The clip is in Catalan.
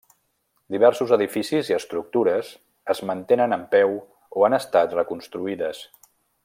Diversos edificis i estructures es mantenen en peu o han estat reconstruïdes.